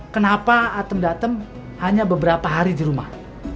kenapa atem atem hanya beberapa hari di rumah